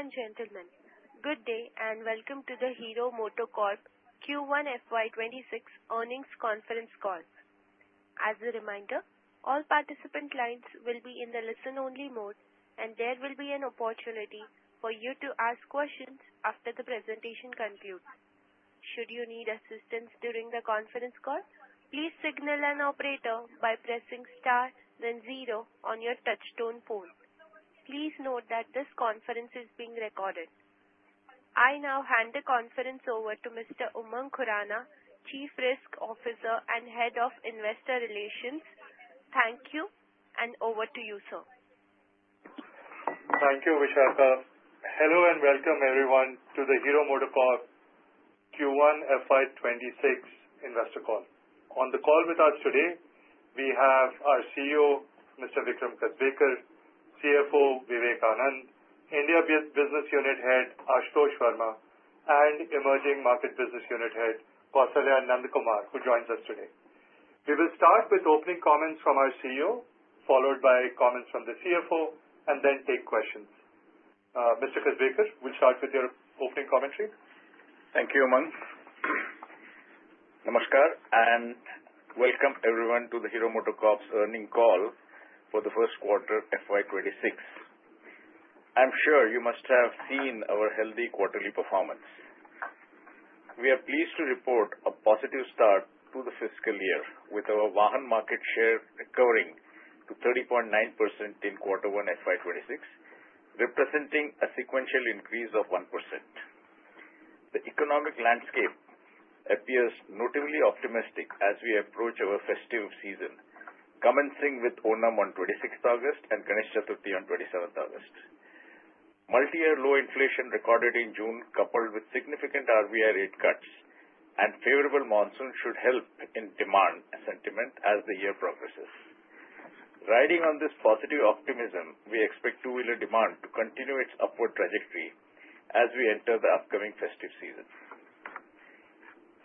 Ladies and gentlemen, good day and welcome to the Hero MotoCorp Q1 FY 2026 earnings conference call. As a reminder, all participant lines will be in the listen-only mode, and there will be an opportunity for you to ask questions after the presentation concludes. Should you need assistance during the conference call, please signal an operator by pressing star, then zero on your touchtone phone. Please note that this conference is being recorded. I now hand the conference over to Mr. Umang Khurana, Chief Risk Officer and Head of Investor Relations. Thank you, and over to you, sir. Thank you, Vishata. Hello and welcome everyone to the Hero MotoCorp Q1 FY 2026 Investor Call. On the call with us today, we have our CEO, Mr. Vikram Kasbekar, CFO, Vivek Anand, India Business Unit Head, Ashutosh Varma, and Emerging Market Business Unit Head, Kausalya Nandakumar, who joins us today. We will start with opening comments from our CEO, followed by comments from the CFO, and then take questions. Mr. Kasbekar, we'll start with your opening commentary. Thank you, Umang. Namaskar and welcome everyone to the Hero MotoCorp's earnings call for the first quarter FY 2026. I'm sure you must have seen our healthy quarterly performance. We are pleased to report a positive start to the fiscal year with our Wahan market share recovering to 30.9% in Q1 FY 2026, representing a sequential increase of 1%. The economic landscape appears notably optimistic as we approach our festive season, commencing with Onam on 26th August and Ganesh Chaturthi on 27th August. Multi-year low inflation recorded in June, coupled with significant RBI rate cuts and favorable monsoons, should help in demand sentiment as the year progresses. Riding on this positive optimism, we expect two-wheeler demand to continue its upward trajectory as we enter the upcoming festive season.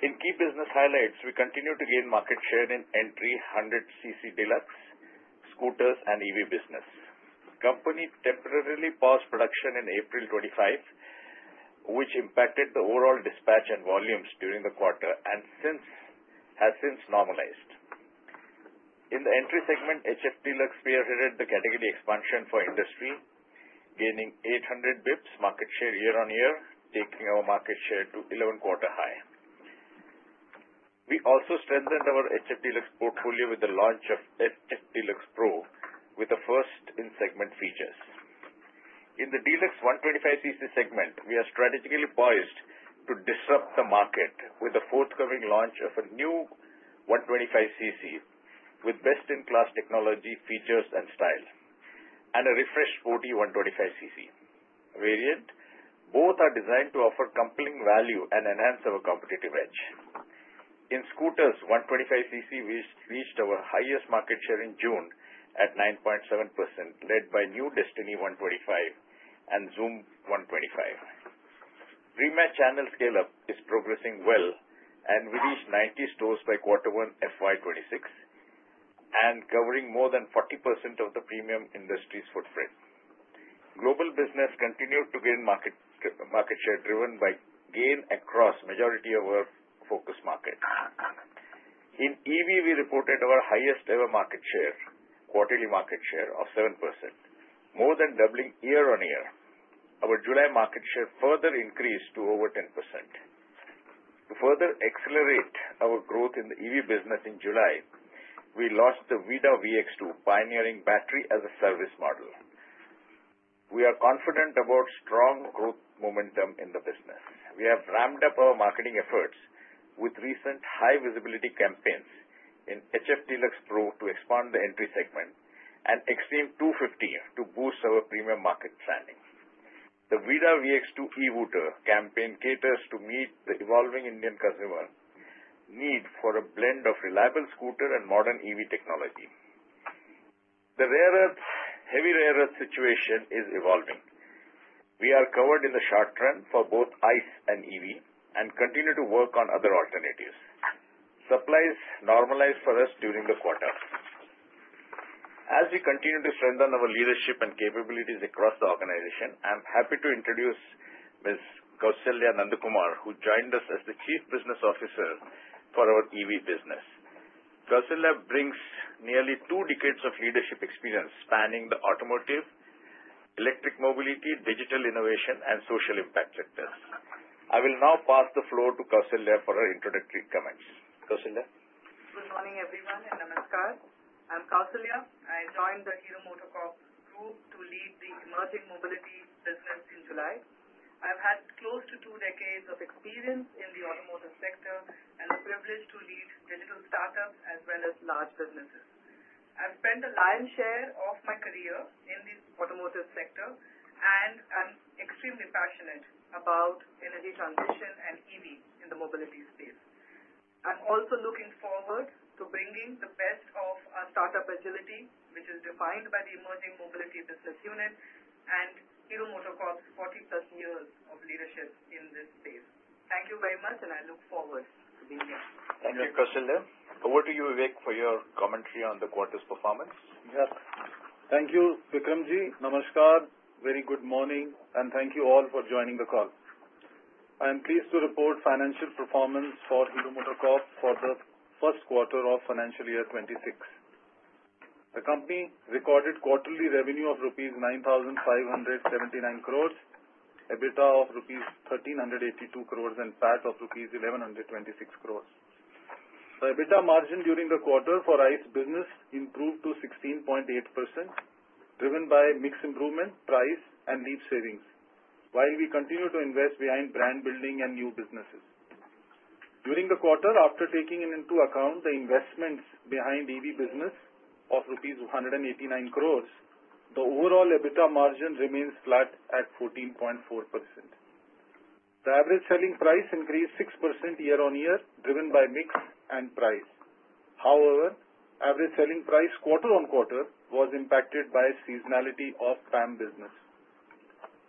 In key business highlights, we continue to gain market share in entry 100cc deluxe, scooters, and EV business. The company temporarily paused production in April 25th, which impacted the overall dispatch and volumes during the quarter and has since normalized. In the entry segment, HF Deluxe, we are headed to category expansion for industry, gaining 800 basis pointss market share year-on-year, taking our market share to 11th quarter high. We also strengthened our HF Deluxe portfolio with the launch of HF Deluxe Pro, with the first in-segment features. In the deluxe 125cc segment, we are strategically poised to disrupt the market with the forthcoming launch of a new 125cc with best-in-class technology, features, and style, and a refreshed sporty 125cc variant. Both are designed to offer compelling value and enhance our competitive edge. In scooters 125cc, we reached our highest market share in June at 9.7%, led by new Destini 125 and Xoom 125. Premium channel scale-up is progressing well and with each 90 stores by Q1 FY 2026 and covering more than 40% of the premium industry's footprint. Global business continued to gain market share driven by gain across the majority of our focus market. In EV, we reported our highest ever market share, quarterly market share of 7%, more than doubling year-on-year. Our July market share further increased to over 10%. To further accelerate our growth in the EV business in July, we launched the VIDA VX2 pioneering Battery-as-a-Service model. We are confident about strong growth momentum in the business. We have ramped up our marketing efforts with recent high-visibility campaigns in HF Deluxe Pro to expand the entry segment and Xtreme 250 to boost our premium market standing. The VIDA VX2 e-scooter campaign caters to meet the evolving Indian consumer needs for a blend of reliable scooter and modern EV technology. The heavy rare earth situation is evolving. We are covered in the short term for both ICE and EV and continue to work on other alternatives. Supplies normalized for us during the quarter. As we continue to strengthen our leadership and capabilities across the organization, I'm happy to introduce Ms. Kausalya Nandakumar, who joined us as the Chief Business Officer for our EV business. Kausalya brings nearly two decades of leadership experience spanning the automotive, electric mobility, digital innovation, and social impact sectors. I will now pass the floor to Kausalya for her introductory comments. Kausalya. Good morning, everyone, and Namaskar. I'm Kausalya. I joined the Hero MotoCorp group to lead the emerging mobility business in July. I've had close to two decades of experience in the automotive sector and the privilege to lead digital startups as well as large businesses. I've spent a lion's share of my career in the automotive sector, and I'm extremely passionate about energy transition and EV in the mobility space. I'm also looking forward to bringing the best of our startup agility, which is defined by the emerging mobility business unit and Hero MotoCorp's 40+ years of leadership in this space. Thank you very much, and I look forward to being here. Thank you, Kausalya. Over to you, Vivek, for your commentary on the quarter's performance. Yes. Thank you, Vikramji. Namaskar, very good morning, and thank you all for joining the call. I am pleased to report financial performance for Hero MotoCorp for the first quarter of financial year 2026. The company recorded quarterly revenue of rupees 9,579 crore, EBITDA of rupees 1,382 crore, and PAT of rupees 1,126 crore. The EBITDA margin during the quarter for ICE business improved to 16.8%, driven by mix improvement, price, and leave savings, while we continue to invest behind brand building and new businesses. During the quarter, after taking into account the investments behind EV business of rupees 189 crore, the overall EBITDA margin remains flat at 14.4%. The average selling price increased 6% year-on-year, driven by mix and price. However, average selling price quarter-on-quarter was impacted by seasonality of FAM business.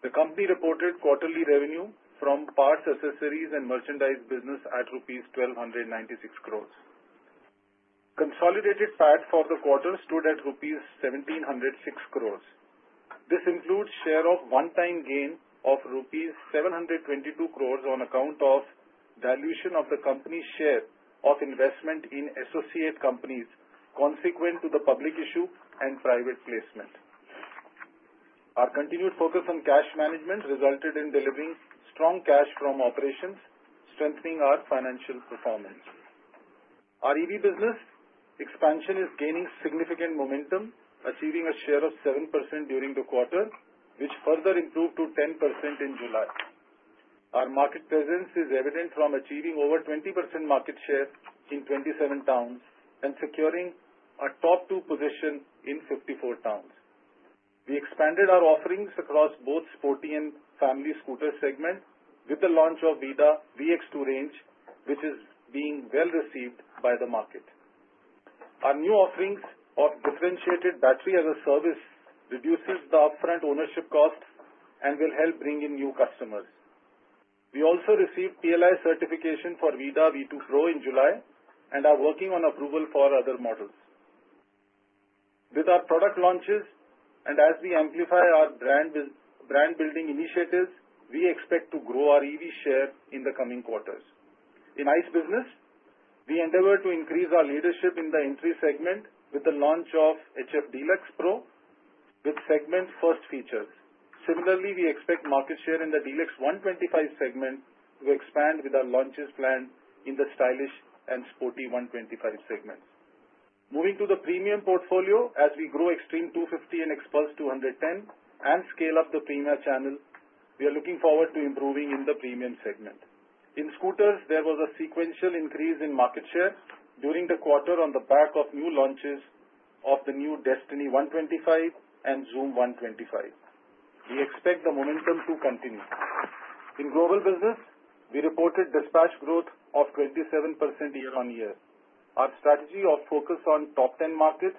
The company reported quarterly revenue from parts, accessories, and merchandise business at INR 1,296 crore. Consolidated PAT for the quarter stood at INR 1,706 crore. This includes a share of one-time gain of INR 722 crore on account of dilution of the company's share of investment in associate companies consequent to the public issue and private placement. Our continued focus on cash management resulted in delivering strong cash from operations, strengthening our financial performance. Our EV business expansion is gaining significant momentum, achieving a share of 7% during the quarter, which further improved to 10% in July. Our market presence is evident from achieving over 20% market share in 27 towns and securing a top two position in 54 towns. We expanded our offerings across both sporty and family scooter segments with the launch of VIDA V2 range, which is being well received by the market. Our new offerings of differentiated Battery-as-a-Service reduce the upfront ownership costs and will help bring in new customers. We also received TLI certification for VIDA V2 Pro in July and are working on approval for other models. With our product launches and as we amplify our brand building initiatives, we expect to grow our EV share in the coming quarters. In ICE business, we endeavor to increase our leadership in the entry segment with the launch of HF Deluxe Pro with segment-first features. Similarly, we expect market share in the deluxe 125 segment to expand with our launches planned in the stylish and sporty 125 segments. Moving to the premium portfolio, as we grow Xtreme 250 and Xpulse 210 and scale up the premium channel, we are looking forward to improving in the premium segment. In scooters, there was a sequential increase in market share during the quarter on the back of new launches of the new Destini 125 and Xoom 125. We expect the momentum to continue. In global business, we reported dispatch growth of 27% year-on-year. Our strategy of focus on top 10 markets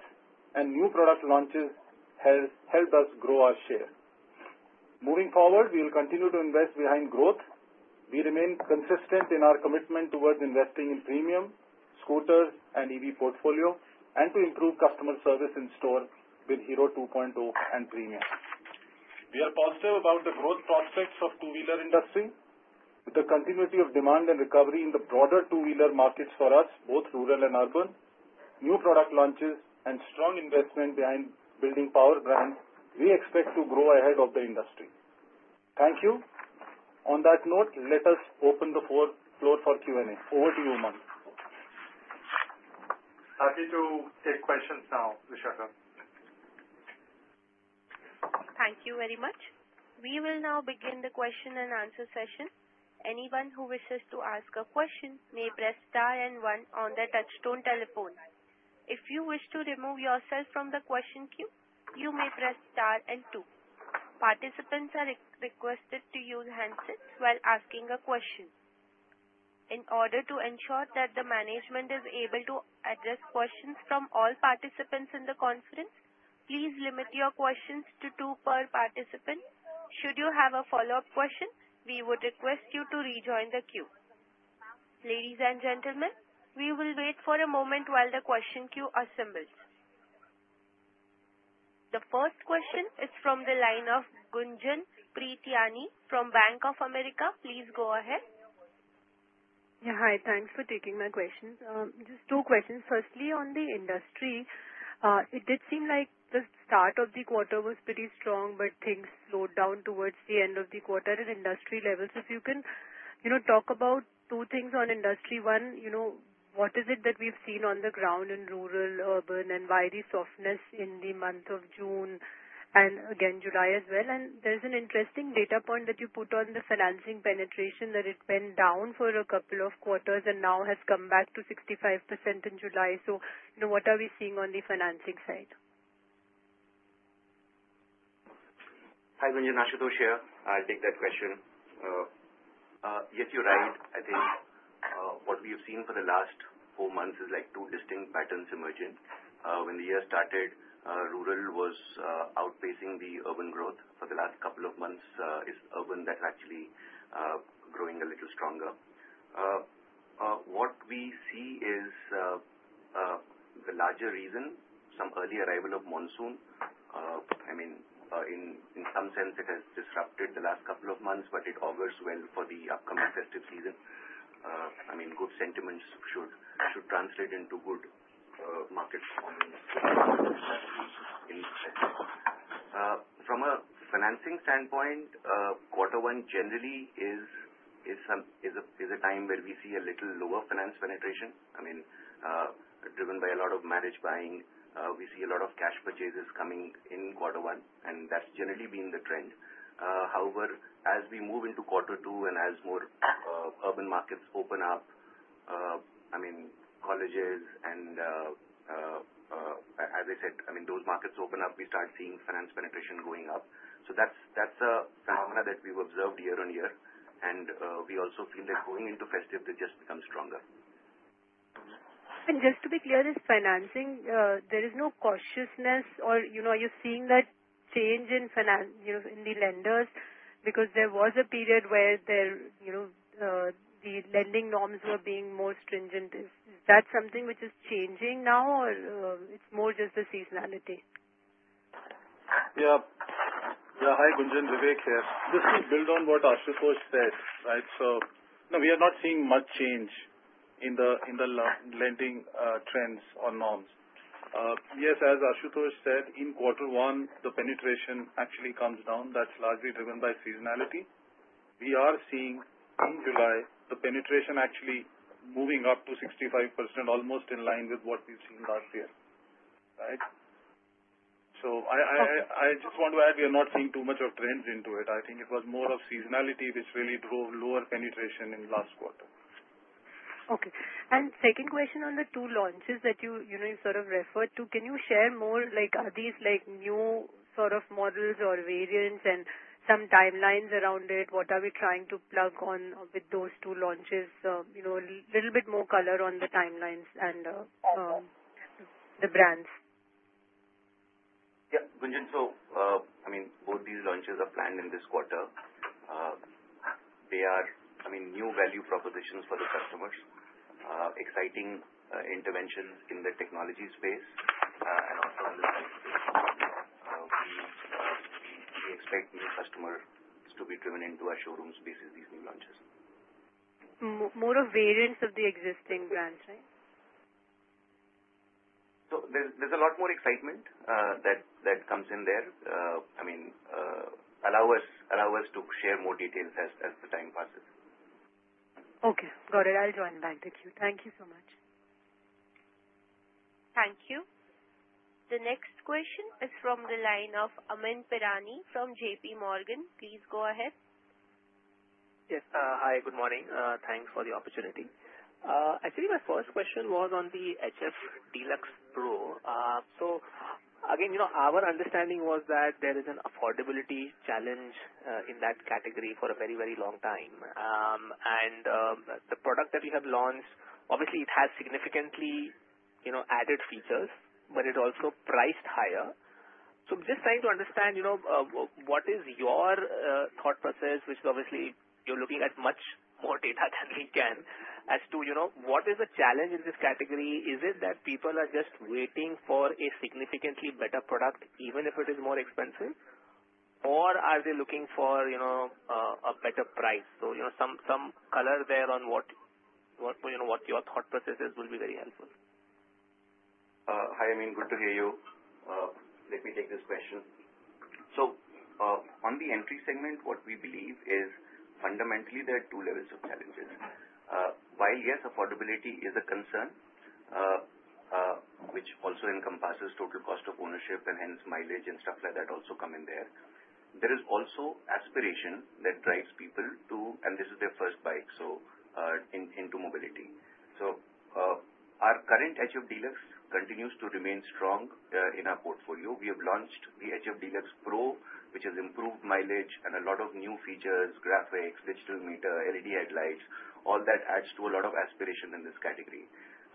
and new product launches has helped us grow our share. Moving forward, we will continue to invest behind growth. We remain consistent in our commitment towards investing in premium, scooters, and EV portfolio and to improve customer service in store with Hero 2.0 and premium. We are positive about the growth prospects of the two-wheeler industry. With the continuity of demand and recovery in the broader two-wheeler markets for us, both rural and urban, new product launches and strong investment behind building power brands, we expect to grow ahead of the industry. Thank you. On that note, let us open the floor for Q&A. Over to you, Umang. Happy to take questions now, Vishata. Thank you very much. We will now begin the question-and-answer session. Anyone who wishes to ask a question may press star and one on the touchstone telephone. If you wish to remove yourself from the question queue, you may press star and two. Participants are requested to use handsets while asking a question. In order to ensure that the management is able to address questions from all participants in the conference, please limit your questions to two per participant. Should you have a follow-up question, we would request you to rejoin the queue. Ladies and gentlemen, we will wait for a moment while the question queue assembles. The first question is from the line of Gunjan Prithyani from Bank of America. Please go ahead. Yeah, hi. Thanks for taking my questions. Just two questions. Firstly, on the industry, it did seem like the start of the quarter was pretty strong, but things slowed down towards the end of the quarter in industry levels. If you can, you know, talk about two things on industry. One, you know, what is it that we've seen on the ground in rural, urban, and why the softness in the month of June and again July as well? There's an interesting data point that you put on the financing penetration that it went down for a couple of quarters and now has come back to 65% in July. What are we seeing on the financing side? Hi, Gunjan. Ashutosh here. I'll take that question. Yes, you're right. I think what we have seen for the last four months is like two distinct patterns emerging. When the year started, rural was outpacing the urban growth. For the last couple of months, it's urban that is actually growing a little stronger. What we see is the larger reason, some early arrival of monsoon. In some sense, it has disrupted the last couple of months, but it augurs well for the upcoming festive season. Good sentiments should translate into good market performance. From a financing standpoint, quarter one generally is a time where we see a little lower finance penetration. Driven by a lot of marriage buying, we see a lot of cash purchases coming in quarter one, and that's generally been the trend. However, as we move into quarter two and as more urban markets open up, colleges and, as I said, those markets open up, we start seeing finance penetration going up. That's a phenomena that we've observed year-on-year. We also feel that going into festive, it just becomes stronger. Just to be clear, this financing, there is no cautiousness or, you know, are you seeing that change in finance, you know, in the lenders? There was a period where the lending norms were being more stringent. Is that something which is changing now, or it's more just the seasonality? Yeah. Hi, Gunjan. Vivek here. Just to build on what Ashutosh said, right? No, we are not seeing much change in the lending trends or norms. Yes, as Ashutosh said, in quarter one, the penetration actually comes down. That's largely driven by seasonality. We are seeing in July, the penetration actually moving up to 65%, almost in line with what we've seen last year, right? I just want to add, we are not seeing too much of trends into it. I think it was more of seasonality, which really drove lower penetration in the last quarter. Okay. Second question on the two launches that you sort of referred to, can you share more? Like, are these like new sort of models or variants and some timelines around it? What are we trying to plug on with those two launches? You know, a little bit more color on the timelines and the brands. Yeah, Gunjan. Both these launches are planned in this quarter. They are new value propositions for the customers, exciting interventions in the technology space, and also we expect new customers to be driven into our showroom spaces with these new launches. More of variants of the existing brands, right? There's a lot more excitement that comes in there. I mean, allow us to share more details as the time passes. Okay. Got it. I'll join back the queue. Thank you so much. Thank you. The next question is from the line of Amyn Pirani from JPMorgan. Please go ahead. Yes. Hi, good morning. Thanks for the opportunity. My first question was on the HF Deluxe Pro. Our understanding was that there is an affordability challenge in that category for a very, very long time. The product that we have launched obviously has significantly added features, but it's also priced higher. I'm just trying to understand what is your thought process, which obviously you're looking at much more data than we can, as to what is the challenge in this category. Is it that people are just waiting for a significantly better product, even if it is more expensive? Are they looking for a better price? Some color there on what your thought process is would be very helpful. Hi. Good to hear you. Let me take this question. On the entry segment, what we believe is fundamentally there are two levels of challenges. While, yes, affordability is a concern, which also encompasses total cost of ownership and hence mileage and stuff like that also come in there, there is also aspiration that drives people to, and this is their first bike, into mobility. Our current HF Deluxe continues to remain strong in our portfolio. We have launched the HF Deluxe Pro, which has improved mileage and a lot of new features, graphics, digital meter, LED headlights. All that adds to a lot of aspiration in this category.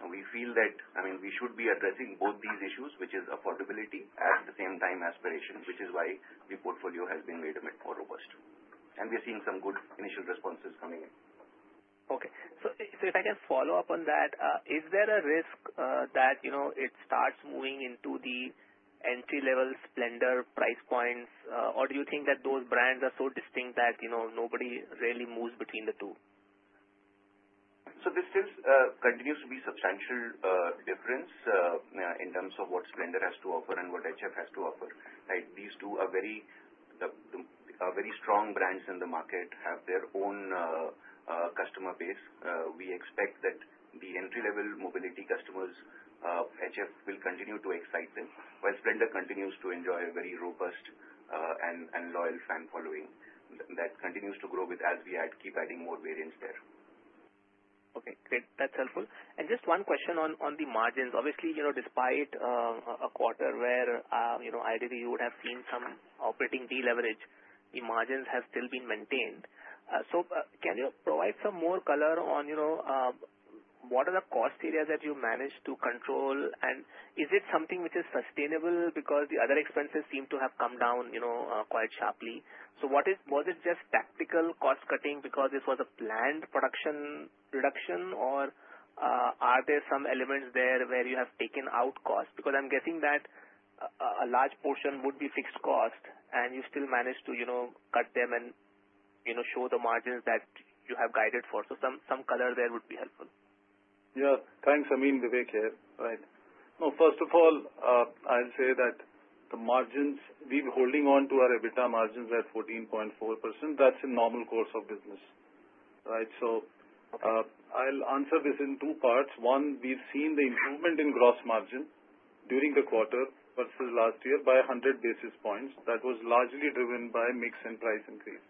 We feel that we should be addressing both these issues, which is affordability and at the same time aspiration, which is why the portfolio has been made a bit more robust. We're seeing some good initial responses coming in. Okay. If I can follow up on that, is there a risk that it starts moving into the entry-level Splendor price points, or do you think that those brands are so distinct that nobody really moves between the two? There still continues to be a substantial difference in terms of what Splendor has to offer and what HF has to offer, right? These two are very strong brands in the market, have their own customer base. We expect that the entry-level mobility customers of HF will continue to excite them, while Splendor continues to enjoy a very robust and loyal fan following that continues to grow as we keep adding more variants there. Okay. Great. That's helpful. Just one question on the margins. Obviously, you know, despite a quarter where, you know, ideally, you would have seen some operating fee leverage, the margins have still been maintained. Can you provide some more color on, you know, what are the cost areas that you managed to control, and is it something which is sustainable because the other expenses seem to have come down, you know, quite sharply? Was it just tactical cost-cutting because this was a planned production reduction, or are there some elements there where you have taken out costs? I'm guessing that a large portion would be fixed cost, and you still managed to, you know, cut them and, you know, show the margins that you have guided for. Some color there would be helpful. Yeah. Thanks. I mean, Vivek here. Right. No, first of all, I'll say that the margins, we've been holding on to our EBITDA margins at 14.4%. That's a normal course of business. Right? I'll answer this in two parts. One, we've seen the improvement in gross margin during the quarter versus last year by 100 basis points. That was largely driven by mix and price increase.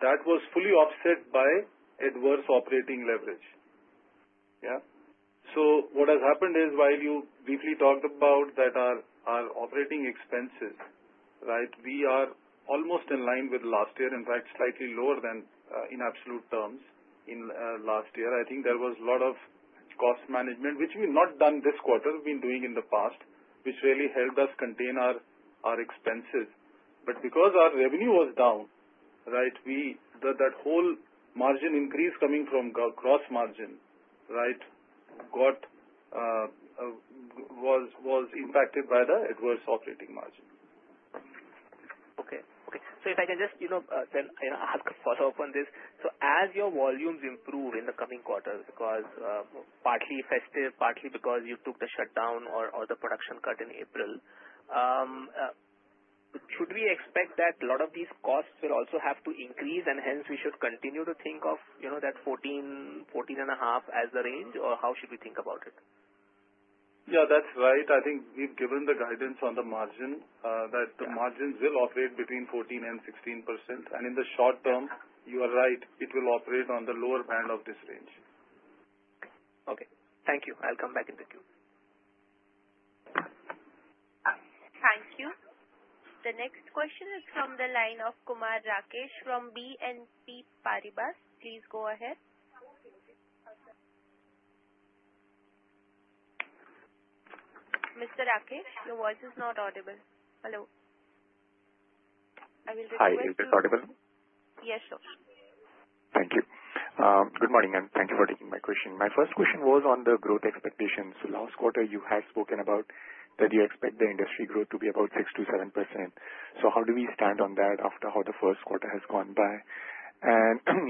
That was fully offset by adverse operating leverage. What has happened is, while you briefly talked about that our operating expenses, we are almost in line with last year, in fact, slightly lower than in absolute terms in last year. I think there was a lot of cost management, which we've not done this quarter. We've been doing in the past, which really helped us contain our expenses. Because our revenue was down, that whole margin increase coming from gross margin was impacted by the adverse operating margin. Okay. If I can just, you know, then ask a follow-up on this. As your volumes improve in the coming quarters, partly festive, partly because you took the shutdown or the production cut in April, should we expect that a lot of these costs will also have to increase, and hence we should continue to think of, you know, that 14, 14.5 as the range, or how should we think about it? Yeah, that's right. I think we've given the guidance on the margin, that the margins will operate between 14% and 16%. In the short term, you are right, it will operate on the lower band of this range. Okay, thank you. I'll come back in with you. Thank you. The next question is from the line of Kumar Rakesh from BNP Paribas. Please go ahead. Mr. Rakesh, your voice is not audible. Hello. Hi, is this audible? Yes, sure. Thank you. Good morning, and thank you for taking my question. My first question was on the growth expectations. Last quarter, you had spoken about that you expect the industry growth to be about 6%-7%. How do we stand on that after how the first quarter has gone by?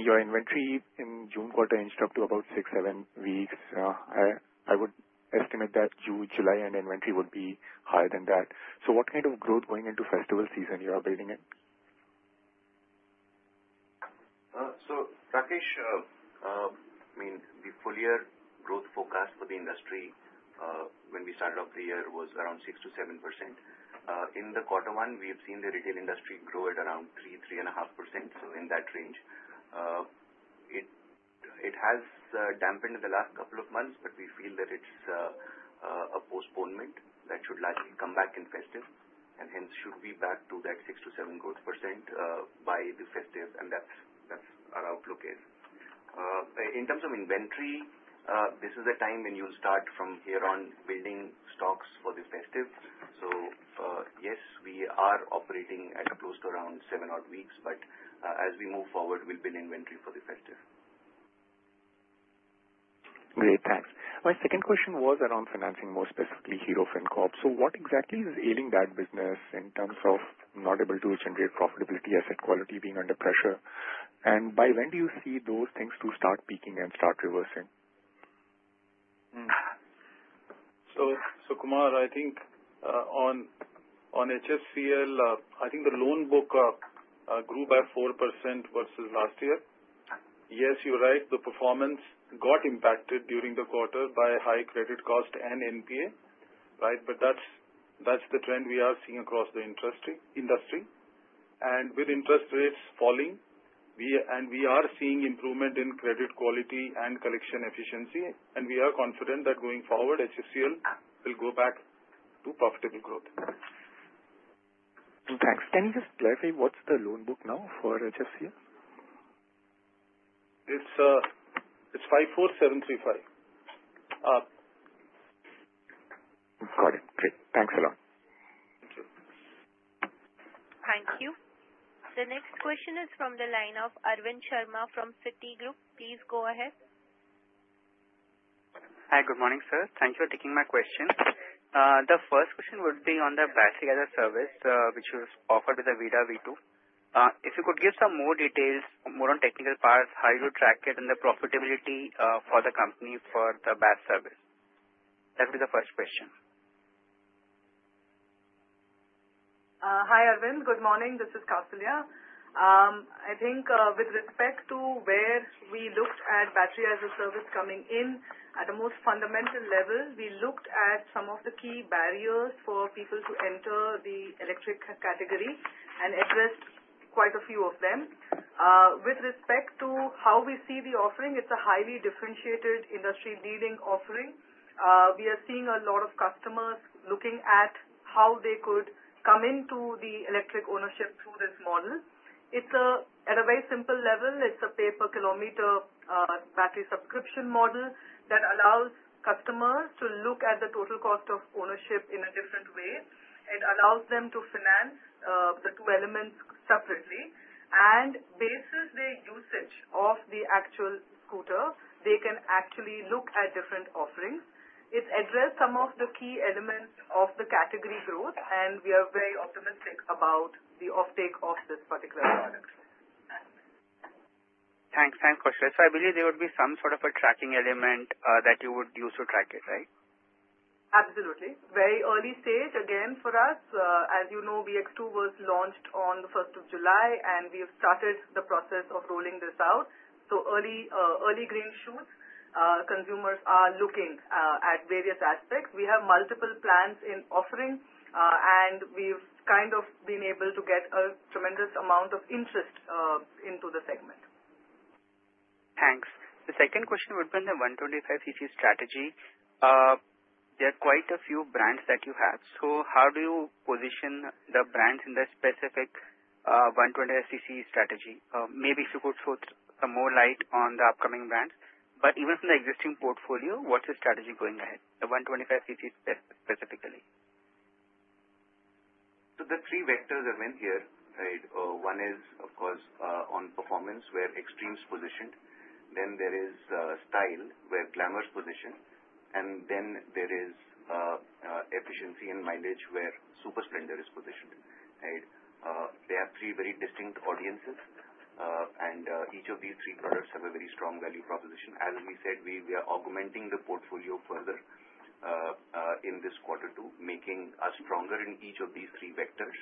Your inventory in June quarter inched up to about six, seven weeks. I would estimate that June, July, and inventory would be higher than that. What kind of growth going into festival season are you building in? Rakesh, the full-year growth forecast for the industry when we started off the year was around 6%-7%. In quarter one, we've seen the retail industry grow at around 3%-3.5%, so in that range. It has dampened the last couple of months. We feel that it's a postponement that should lastly come back in festive. Hence, should we be back to that 6%-7% growth by the festive, and that's our outlook is. In terms of inventory, this is the time when you'll start from here on building stocks for the festive. Yes, we are operating at close to around seven-odd weeks, but as we move forward, we'll build inventory for the festive. Great. Thanks. My second question was around financing, more specifically Hero Fincorp. What exactly is ailing that business in terms of not able to generate profitability, asset quality being under pressure? By when do you see those things to start peaking and start reversing? Kumar, I think on HFCL, the loan book grew by 4% versus last year. Yes, you're right. The performance got impacted during the quarter by high credit cost and NPA, right? That's the trend we are seeing across the industry. With interest rates falling, we are seeing improvement in credit quality and collection efficiency, and we are confident that going forward, HFCL will go back to profitable growth. Thanks. Can you just clarify what's the loan book now for HFCL? It's 54,735 million. Got it. Great. Thanks a lot. Thank you. The next question is from the line of Arvind Sharma from Citigroup. Please go ahead. Hi. Good morning, sir. Thank you for taking my question. The first question would be on the Battery-as-a-Service together service, which was offered with the VIDA V2. If you could give some more details, more on technical parts, how you would track it, and the profitability for the company for the BaaS service. That would be the first question. Hi, Arvin. Good morning. This is Kausalya. I think with respect to where we looked at Battery-as-a-Service coming in, at the most fundamental level, we looked at some of the key barriers for people to enter the electric category and addressed quite a few of them. With respect to how we see the offering, it's a highly differentiated industry-leading offering. We are seeing a lot of customers looking at how they could come into the electric ownership through this model. At a very simple level, it's a pay-per-kilometer battery subscription model that allows customers to look at the total cost of ownership in a different way. It allows them to finance the two elements separately. Basis their usage of the actual scooter, they can actually look at different offerings. It addressed some of the key elements of the category growth, and we are very optimistic about the uptake of this particular service. Thanks, Kausalya. I believe there would be some sort of a tracking element that you would use to track it, right? Absolutely. Very early stage, again, for us. As you know, VIDA VX2 was launched on the 1st of July, and we have started the process of rolling this out. Early green shoots. Consumers are looking at various aspects. We have multiple plans in offering, and we've kind of been able to get a tremendous amount of interest into the segment. Thanks. The second question would be in the 125cc strategy. There are quite a few brands that you have. How do you position the brands in the specific 125cc strategy? If you could show a more light on the upcoming brands. Even from the existing portfolio, what's the strategy going ahead? The 125cc specifically. The three vectors are in here, right? One is, of course, on performance, where Xtreme is positioned. There is style, where Glamour is positioned. There is efficiency and mileage, where Super Splendor is positioned, right? There are three very distinct audiences, and each of these three products have a very strong value proposition. As we said, we are augmenting the portfolio further in this quarter too, making us stronger in each of these three vectors.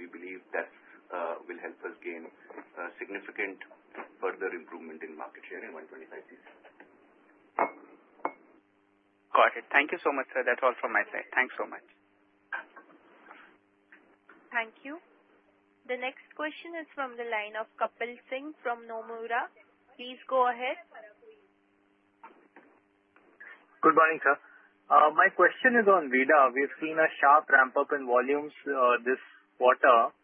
We believe that will help us gain a significant further improvement in market share in 125cc. Got it. Thank you so much, sir. That's all from my side. Thanks so much. Thank you. The next question is from the line of Kapil Singh from Nomura. Please go ahead. Good morning, sir. My question is on VIDA. We've seen a sharp ramp-up in volumes this quarter.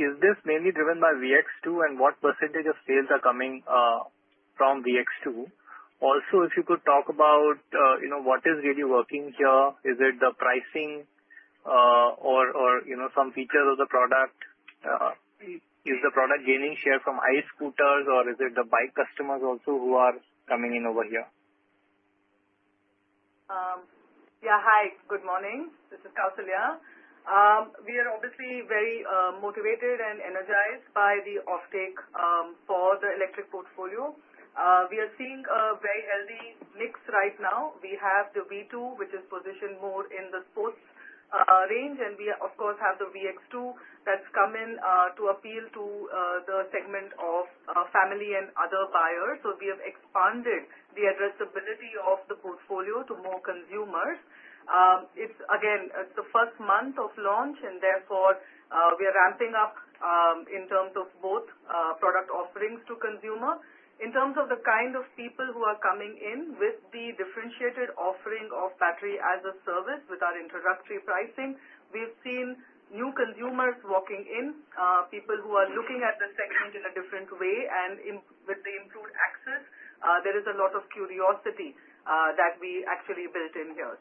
Is this mainly driven by VIDA VX2, and what percentage of sales are coming from VIDA VX2? Also, if you could talk about what is really working here? Is it the pricing or some features of the product? Is the product gaining share from ICE scooters, or is it the bike customers also who are coming in over here? Yeah. Hi. Good morning. This is Kausalya. We are obviously very motivated and energized by the uptake for the electric portfolio. We are seeing a very healthy mix right now. We have the V2, which is positioned more in the sports range, and we, of course, have the VIDA VX2 that's come in to appeal to the segment of family and other buyers. We have expanded the addressability of the portfolio to more consumers. It's the first month of launch, and therefore, we are ramping up in terms of both product offerings to consumer. In terms of the kind of people who are coming in with the differentiated offering of Battery-as-a-Service with our introductory pricing, we've seen new consumers walking in, people who are looking at the segment in a different way, and with the improved access, there is a lot of curiosity that we actually built in here.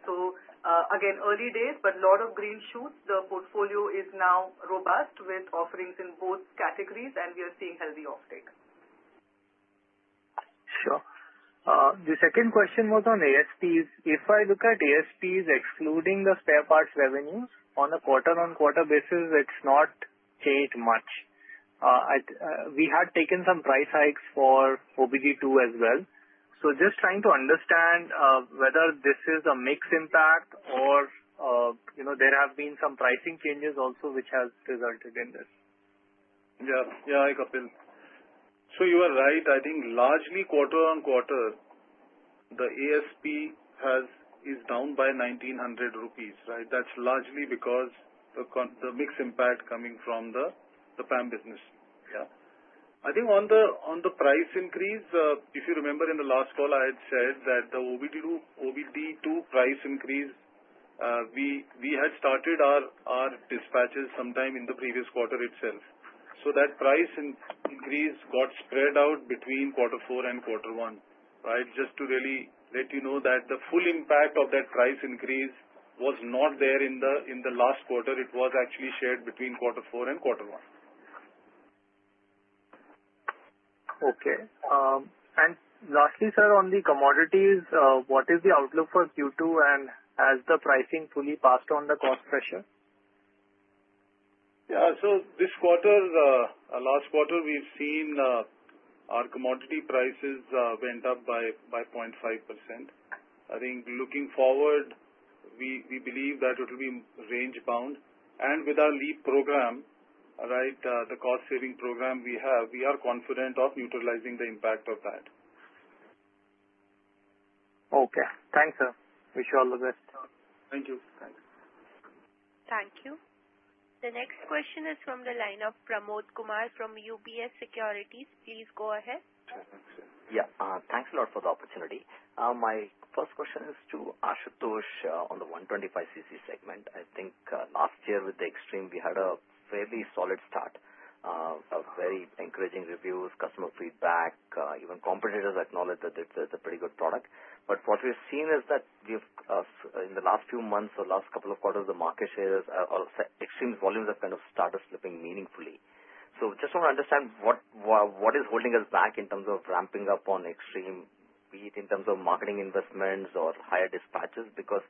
Early days, but a lot of green shoots. The portfolio is now robust with offerings in both categories, and we are seeing healthy uptake. Sure. The second question was on ASPs. If I look at ASPs excluding the spare parts revenue, on a quarter-on-quarter basis, it's not changed much. We had taken some price hikes for OBD2 as well. Just trying to understand whether this is a mixed impact or, you know, there have been some pricing changes also which have resulted in this. Yeah, Kapil. You are right. I think largely quarter-on-quarter, the ASP is down by 1,900 rupees, right? That's largely because of the mix impact coming from the PAM business. I think on the price increase, if you remember in the last call, I had said that the OBD2 price increase, we had started our dispatches sometime in the previous quarter itself. That price increase got spread out between quarter four and quarter one, right? Just to really let you know, the full impact of that price increase was not there in the last quarter. It was actually shared between quarter four and quarter one. Okay. Lastly, sir, on the commodities, what is the outlook for Q2? Has the pricing fully passed on the cost pressure? This quarter, last quarter, we've seen our commodity prices went up by 0.5%. I think looking forward, we believe that it will be range-bound. With our LEAP program, the cost-saving program we have, we are confident of neutralizing the impact of that. Okay. Thanks, sir. Wish you all the best. Thank you. Thank you. The next question is from the line of Pramod Kumar from UBS Securities. Please go ahead. Yeah. Thanks a lot for the opportunity. My first question is to Ashutosh on the 125cc segment. I think last year with the Xtreme, we had a fairly solid start, very encouraging reviews, customer feedback. Even competitors acknowledged that it's a pretty good product. What we've seen is that in the last few months or last couple of quarters, the market shares of Xtreme's volumes have kind of started slipping meaningfully. I just want to understand what is holding us back in terms of ramping up on Xtreme, be it in terms of marketing investments or higher dispatches, because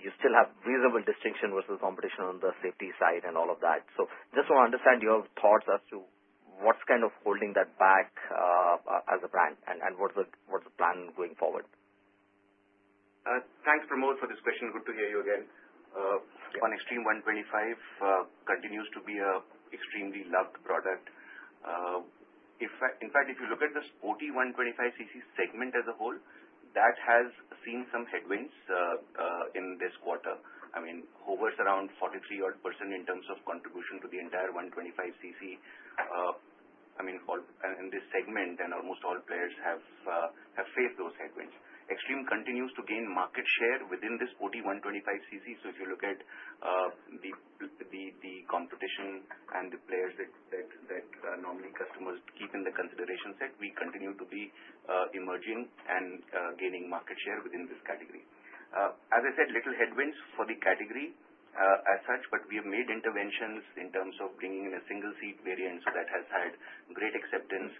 you still have a reasonable distinction versus competition on the safety side and all of that. I just want to understand your thoughts as to what's kind of holding that back as a brand and what's the plan going forward. Thanks, Pramod, for this question. Good to hear you again. On Xtreme 125, it continues to be an extremely loved product. In fact, if you look at the sporty 125cc segment as a whole, that has seen some headwinds in this quarter. It hovers around 43% in terms of contribution to the entire 125cc. In this segment, almost all players have faced those headwinds. Xtreme continues to gain market share within this sporty 125cc. If you look at the competition and the players that normally customers keep in the consideration set, we continue to be emerging and gaining market share within this category. As I said, little headwinds for the category as such, but we have made interventions in terms of bringing in a single-seat variant. That has had great acceptance.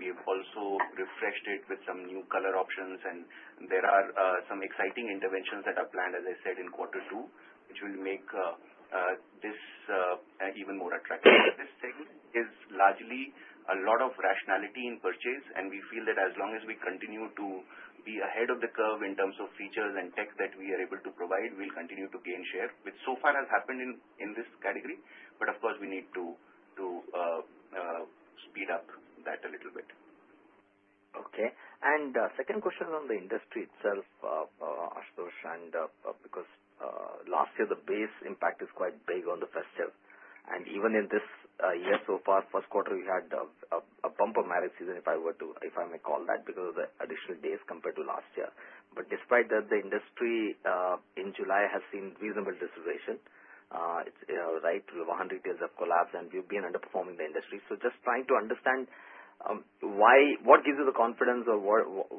We have also refreshed it with some new color options, and there are some exciting interventions that are planned, as I said, in quarter two, which will make this even more attractive. This segment is largely a lot of rationality in purchase, and we feel that as long as we continue to be ahead of the curve in terms of features and tech that we are able to provide, we'll continue to gain share, which so far has happened in this category. Of course, we need to speed up that a little bit. Okay. Second question is on the industry itself, Ashutosh, because last year, the base impact is quite big on the festive. Even in this year so far, first quarter, we had a bump of marriage season, if I may call that, because of the additional days compared to last year. Despite that, the industry in July has seen reasonable disruption, right? Wahan retails have collapsed, and we've been underperforming the industry. Just trying to understand what gives you the confidence or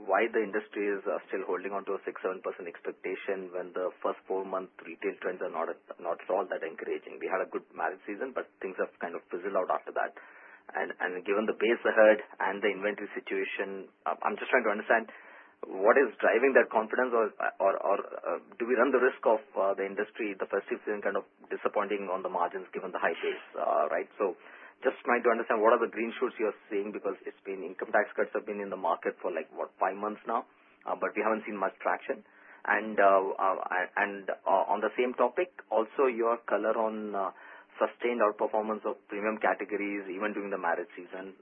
why the industry is still holding on to a 6-7% expectation when the first four-month retail trends are not at all that encouraging. We had a good marriage season, but things have kind of fizzled out after that. Given the pace ahead and the inventory situation, I'm just trying to understand what is driving that confidence, or do we run the risk of the industry, the festive season, kind of disappointing on the margins given the high shares, right? Just trying to understand what are the green shoots you are seeing because income tax cuts have been in the market for like, what, five months now, but we haven't seen much traction. On the same topic, also your color on sustained outperformance of premium categories, even during the marriage season.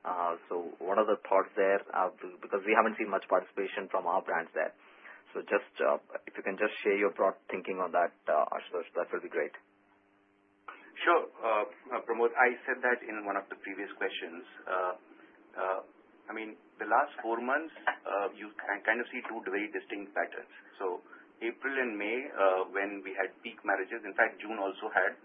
What are the thoughts there? We haven't seen much participation from our brands there. If you can just share your broad thinking on that, Ashutosh, that would be great. Sure. Pramod, I said that in one of the previous questions. I mean, the last four months, you can kind of see two very distinct patterns. April and May, when we had peak marriages, in fact, June also had,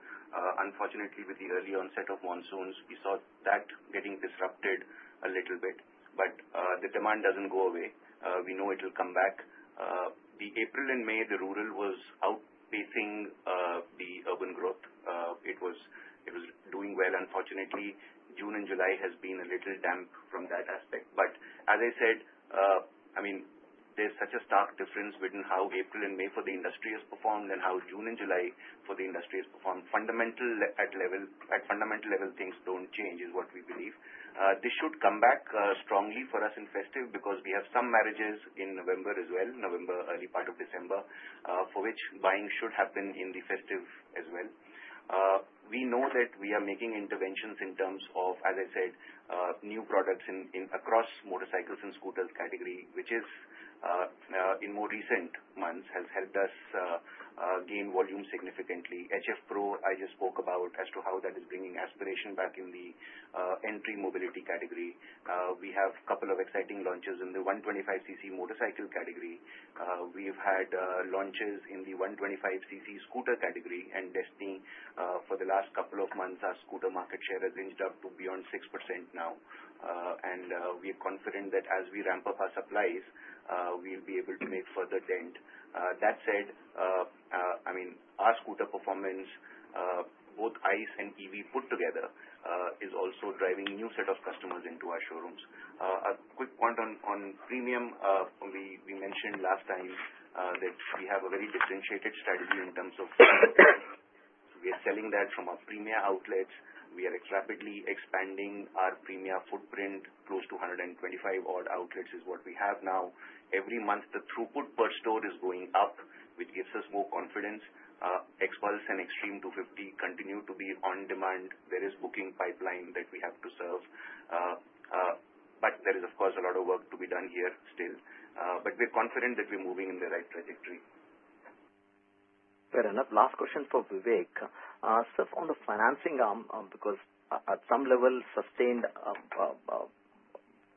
unfortunately, with the early onset of monsoons, we saw that getting disrupted a little bit. The demand doesn't go away. We know it'll come back. April and May, the rural was outpacing the urban growth. It was doing well. Unfortunately, June and July have been a little damp from that aspect. As I said, there's such a stark difference between how April and May for the industry has performed and how June and July for the industry has performed. At a fundamental level, things don't change, is what we believe. This should come back strongly for us in festive because we have some marriages in November as well, November, early part of December, for which buying should happen in the festive as well. We know that we are making interventions in terms of, as I said, new products across motorcycles and scooters category, which in more recent months has helped us gain volume significantly. HF Deluxe Pro, I just spoke about as to how that is bringing aspiration back in the entry mobility category. We have a couple of exciting launches in the 125cc motorcycle category. We've had launches in the 125cc scooter category, and Destini 125, for the last couple of months, our scooter market share has inched up to beyond 6% now. We're confident that as we ramp up our supplies, we'll be able to make further gains. That said, our scooter performance, both ICE and EV put together, is also driving a new set of customers into our showrooms. A quick point on premium, we mentioned last time that we have a very differentiated strategy in terms of we are selling that from our premium outlets. We are rapidly expanding our premium footprint. Close to 125-odd outlets is what we have now. Every month, the throughput per store is going up, which gives us more confidence. Xpulse and Xtreme 250 continue to be on demand. There is a booking pipeline that we have to serve. There is, of course, a lot of work to be done here still. We're confident that we're moving in the right trajectory. Fair enough. Last question for Vivek. Sir, on the financing arm, because at some level, sustained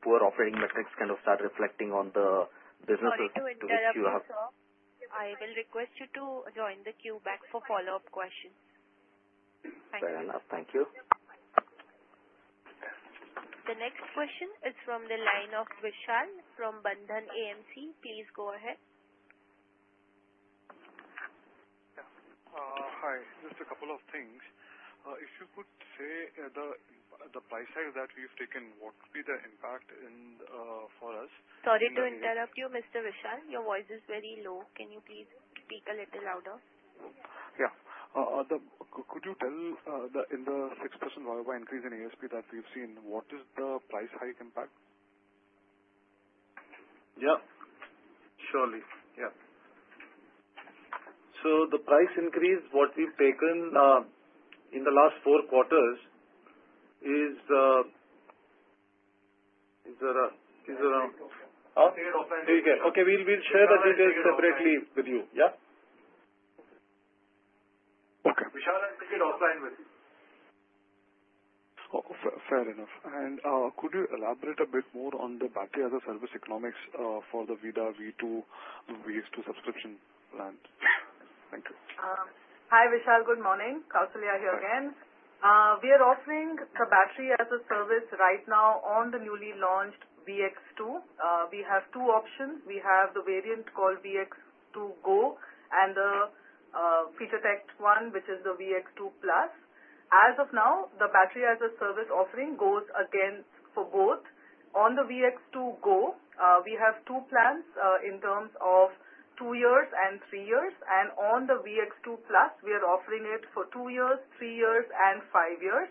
poor operating metrics kind of start reflecting on the business. Sorry to interrupt, sir. I will request you to join the queue back for follow-up questions. Fair enough. Thank you. The next question is from the line of Vishal from Bandhan AMC. Please go ahead. Yeah, hi. Just a couple of things. If you could say the price tag that we've taken, what would be the impact for us? Sorry to interrupt you, Mr. Vishal. Your voice is very low. Can you please speak a little louder? Yeah. Could you tell in the 6% YoY increase in ASP that we've seen, what is the price hike impact? Yeah, surely. Yeah, the price increase what we've taken in the last four quarters is around. Okay. We'll share the figures separately with you. Yeah. Vishal, I'm taking the offline message. Fair enough. Could you elaborate a bit more on the Battery-as-a-Service economics for the VIDA V2 subscription plan? Hi, Vishal. Good morning. Kausalya here again. We are offering the Battery-as-a-Service right now on the newly launched VIDA VX2. We have two options. We have the variant called VIDA VX2 Go and the feature-packed one, which is the VIDA VX2 Plus. As of now, the Battery-as-a-Service offering goes again for both. On the VIDA VX2 Go, we have two plans in terms of two years and three years. On the VIDA VX2 Plus, we are offering it for two years, three years, and five years.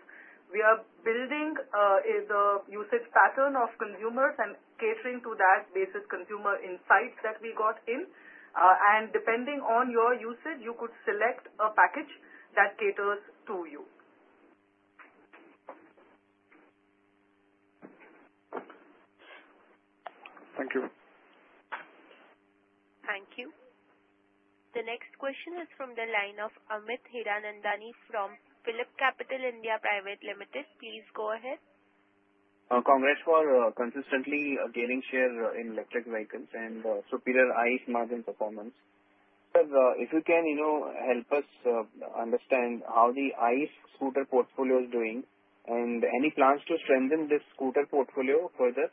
We are building the usage pattern of consumers and catering to that basis consumer insight that we got in. Depending on your usage, you could select a package that caters to you. Thank you. Thank you. The next question is from the line of Amit Hiranandani from Philip Capital India Private Limited. Please go ahead. Congrats for consistently gaining share in electric vehicles and superior ICE margin performance. Sir, if you can help us understand how the ICE scooter portfolio is doing and any plans to strengthen this scooter portfolio further,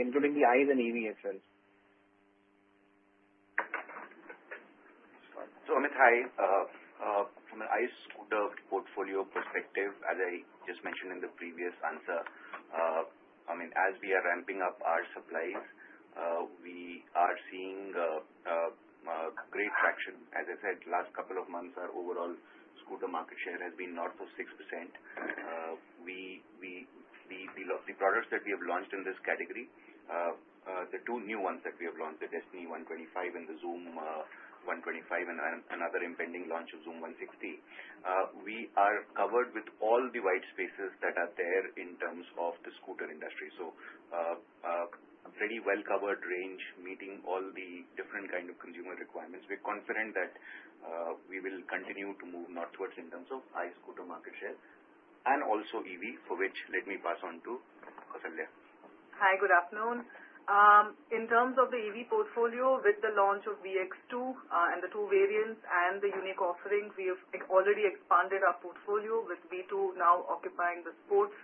including the ICE and EV as well. Amit, hi. From an ICE scooter portfolio perspective, as I just mentioned in the previous answer, as we are ramping up our supplies, we are seeing great traction. As I said, the last couple of months, our overall scooter market share has been north of 6%. The lovely products that we have launched in this category, the two new ones that we have launched, the Destini 125 and the Xoom 125 and another impending launch of Xoom 160, we are covered with all the white spaces that are there in terms of the scooter industry. A pretty well-covered range meeting all the different kinds of consumer requirements. We're confident that we will continue to move northwards in terms of ICE scooter market share and also EV, for which let me pass on to Kausalya. Hi. Good afternoon. In terms of the EV portfolio, with the launch of VIDA VX2 and the two variants and the unique offerings, we have already expanded our portfolio with V2 now occupying the sports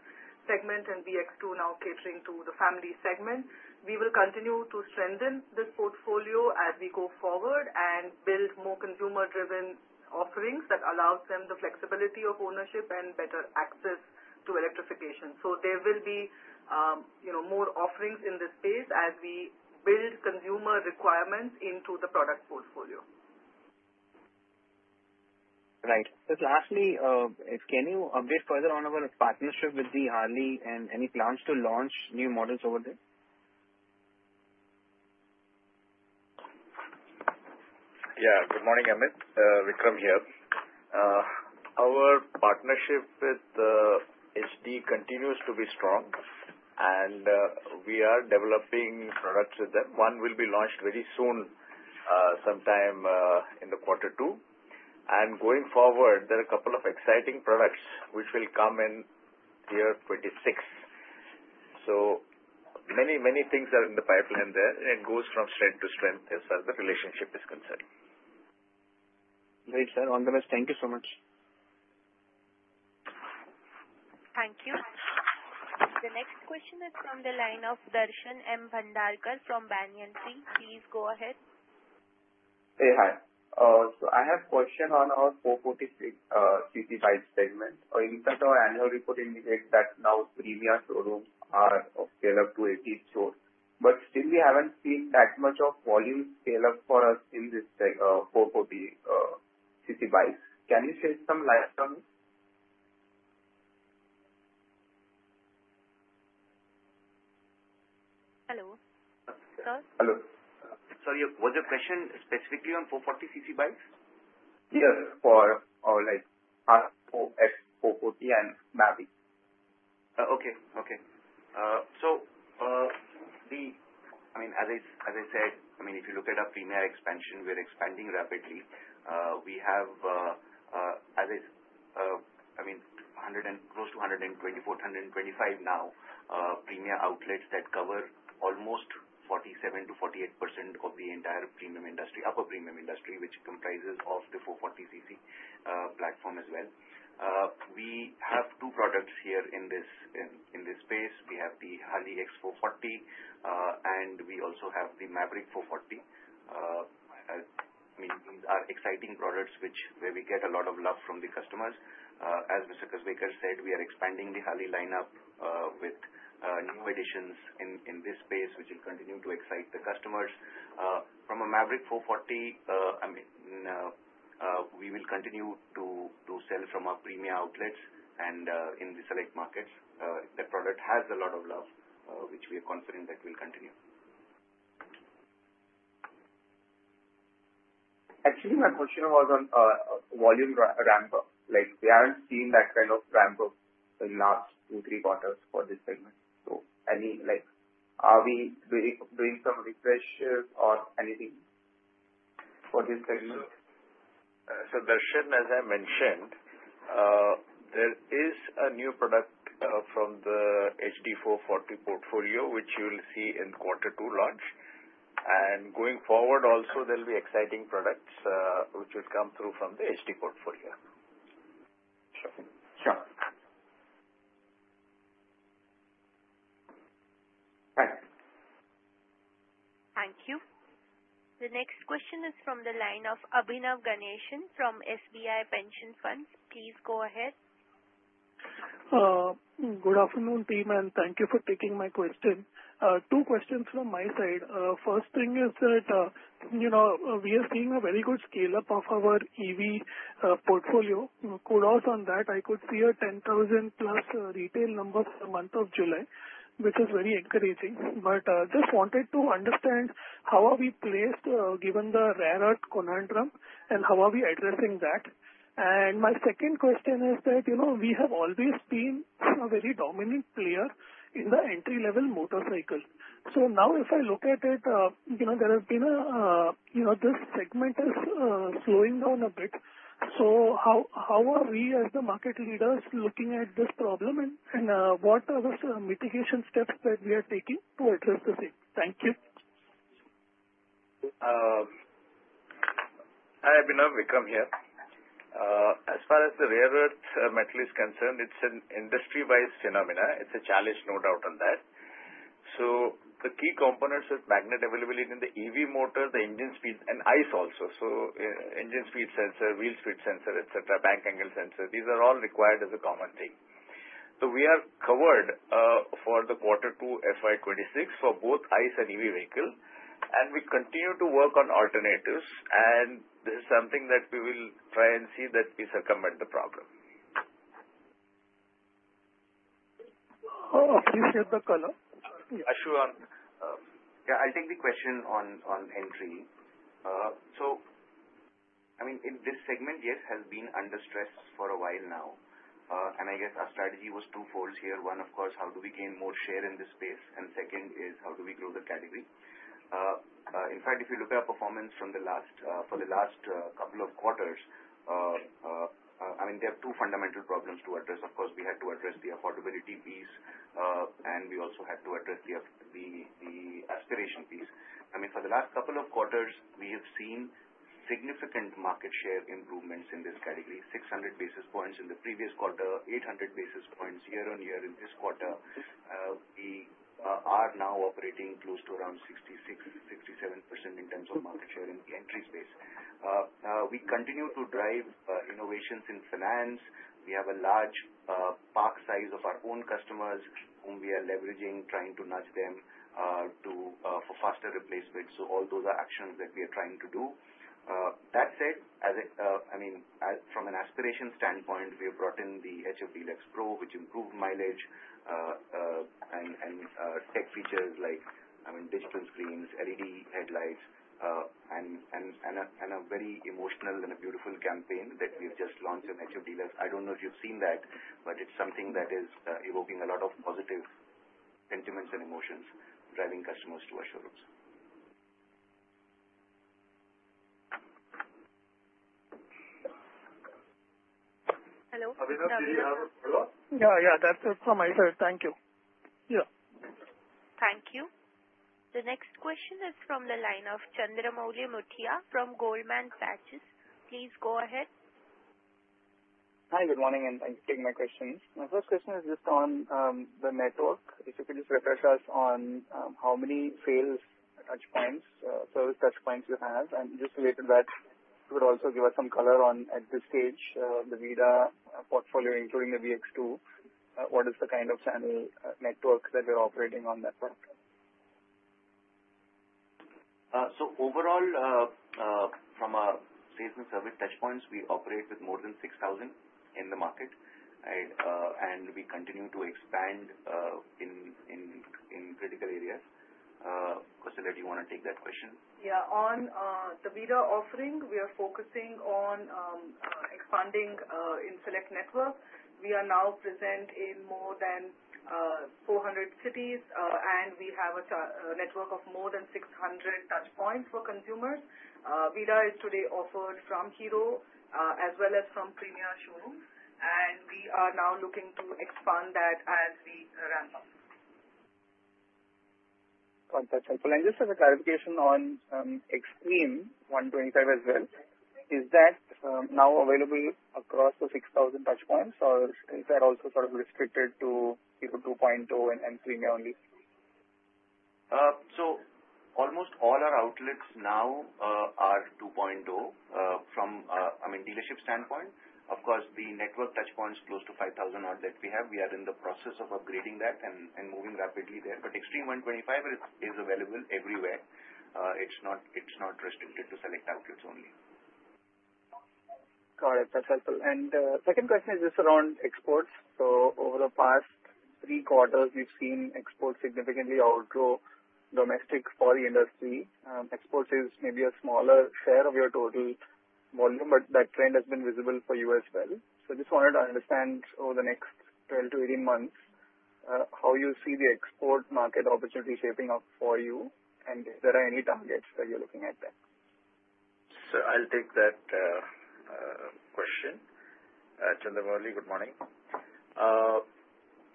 segment and VIDA VX2 now catering to the family segment. We will continue to strengthen the portfolio as we go forward and build more consumer-driven offerings that allow them the flexibility of ownership and better access to electrification. There will be more offerings in this space as we build consumer requirements into the product portfolio. Right. Lastly, can you update further on our partnership with Harley-Davidson and any plans to launch new models over there? Yeah. Good morning, Amit. Vikram here. Our partnership with Harley-Davidson continues to be strong, and we are developing products with them. One will be launched very soon, sometime in quarter two. Going forward, there are a couple of exciting products which will come in 2026. Many things are in the pipeline there. It goes from strength to strength as the relationship is concerned. Great, sir. On the list, thank you so much. Thank you. The next question is from the line of Darshan M. Bhandargar from Banyan Tree. Please go ahead. Hey, hi. I have a question on our 440cc bikes segment. In fact, our annual report indicates that now premium showrooms are scaled up to 80 stores. Still, we haven't seen that much of volume scale-up for us in this 440cc bikes. Can you share some lifestyle? Hello. Sir? Hello. Sorry, was your question specifically on 440cc bikes? Yes. For like X440 and Mavrick. If you look at our premier expansion, we're expanding rapidly. We have close to 124, 125 now, premier outlets that cover almost 47%-48% of the entire premium industry, upper premium industry, which comprises of the 440cc platform as well. We have two products here in this space. We have the Harley X440, and we also have the Mavrick 440. These are exciting products where we get a lot of love from the customers. As Mr. Kasbekar said, we are expanding the Harley lineup, with new additions in this space, which will continue to excite the customers. From a Mavrick 440, we will continue to sell from our premier outlets and in the select markets. The product has a lot of love, which we are confident that we'll continue. Actually, my question was on volume ramp-up. We haven't seen that kind of ramp-up in the last two or three quarters for this segment. Are we doing some refreshes or anything for this segment? Darshan, as I mentioned, there is a new product from the H-D 440 portfolio, which you will see in the quarter two launch. Going forward, also, there'll be exciting products, which will come through from the H-D portfolio. Thanks. Thank you. The next question is from the line of Abhinav Ganeshan from SBI Pension Funds. Please go ahead. Good afternoon, team, and thank you for taking my question. Two questions from my side. First thing is that, you know, we are seeing a very good scale-up of our EV portfolio. Kudos on that. I could see a 10,000+ retail number for the month of July, which is very encouraging. I just wanted to understand how are we placed given the rare earth conundrum and how are we addressing that? My second question is that, you know, we have always been a very dominant player in the entry-level motorcycles. If I look at it, you know, this segment is slowing down a bit. How are we as the market leaders looking at this problem and what are the mitigation steps that we are taking to address the same? Thank you. Hi, Abhinav. Vikram here. As far as the rare earth supply is concerned, it's an industry-wide phenomenon. It's a challenge, no doubt on that. The key components with magnet availability in the EV motor, the engine speed, and ICE also. Engine speed sensor, wheel speed sensor, etc., bank angle sensor, these are all required as a common thing. We are covered for the quarter two, FY 2026, for both ICE and EV vehicle. We continue to work on alternatives. This is something that we will try and see that we circumvent the problem. Oh, you shared the color. Yeah, sure. I'll take the question on entry. In this segment, yes, it has been under stress for a while now. I guess our strategy was twofold here. One, of course, how do we gain more share in this space? Second is how do we grow the category? In fact, if you look at our performance for the last couple of quarters, there are two fundamental problems to address. Of course, we had to address the affordability piece, and we also had to address the aspiration piece. For the last couple of quarters, we have seen significant market share improvements in this category, 600 basis points in the previous quarter, 800 basis points year-on-year in this quarter. We are now operating close to around 66%-67% in terms of market share in the entry space. We continue to drive innovations in finance. We have a large park size of our own customers whom we are leveraging, trying to nudge them for faster replacements. All those are actions that we are trying to do. That said, from an aspiration standpoint, we have brought in the HF Deluxe Pro, which improved mileage and tech features like digital screens, LED headlights, and a very emotional and beautiful campaign that we've just launched on HF Deluxe. I don't know if you've seen that, but it's something that is evoking a lot of positive sentiments and emotions driving customers to our showrooms. Hello? Yeah, that's it for my side. Thank you. Thank you. The next question is from the line of Chandramouli Muthia from Goldman Sachs. Please go ahead. Hi. Good morning, and thank you for taking my questions. My first question is just on the network. If you could just refresh us on how many sales touchpoints, service touchpoints you have, and just related to that, you could also give us some color on at this stage, the VIDA portfolio, including the VIDA VX2. What is the kind of network that we're operating on? Overall, from our sales and service touchpoints, we operate with more than 6,000 in the market, and we continue to expand in critical areas. Kausalya, do you want to take that question? Yeah. On the VIDA offering, we are focusing on expanding in select network. We are now present in more than 400 cities, and we have a network of more than 600 touchpoints for consumers. VIDA is today offered from Hero as well as from Premier stores. We are now looking to expand that as we ramp up. That's helpful. Just as a clarification on Xtreme 125 as well, is that now available across the 6,000 touchpoints, or is that also sort of restricted to 2.0 and Xtreme only? Almost all our outlets now are 2.0 from, I mean, dealership standpoint. Of course, the network touchpoints close to 5,000 odd that we have, we are in the process of upgrading that and moving rapidly there. Xtreme 125R is available everywhere. It's not restricted to select outlets only. Got it. That's helpful. The second question is just around exports. Over the past three quarters, we've seen exports significantly outgrow domestic for the industry. Exports is maybe a smaller share of your total volume, but that trend has been visible for you as well. I just wanted to understand over the next 12-18 months how you see the export market opportunity shaping up for you, and if there are any targets that you're looking at there. I'll take that question. Chandramouli, good morning.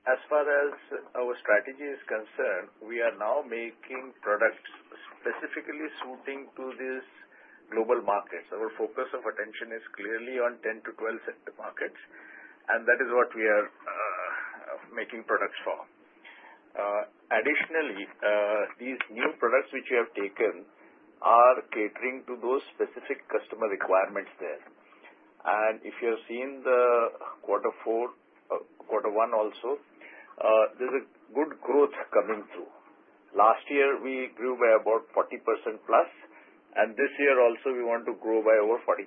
As far as our strategy is concerned, we are now making products specifically suiting to these global markets. Our focus of attention is clearly on 10-12 markets, and that is what we are making products for. Additionally, these new products which we have taken are catering to those specific customer requirements there. If you have seen the quarter four, quarter one also, there's a good growth coming through. Last year, we grew by about 40%+, and this year also, we want to grow by over 40%.